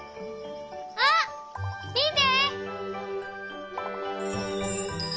あっ！みて！